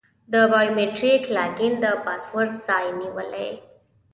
د بایو میتریک لاګین د پاسورډ ځای نیولی.